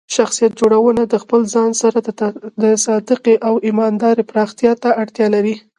شخصیت جوړونه د خپل ځان سره د صادقۍ او ایماندارۍ پراختیا ته اړتیا لري.